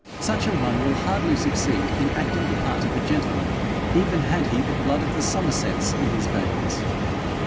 'Such a one will hardly succeed in acting the part of a gentleman, even had he the blood of the Somersets in his veins.'